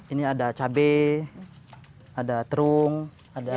ini ada cabai ada terung